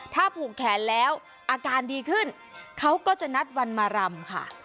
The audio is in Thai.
ถ้าผูกแขนแล้วอาการดีขึ้นเขาก็จะนัดวันมารำค่ะ